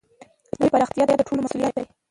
د ژبي پراختیا د ټولو مسؤلیت دی.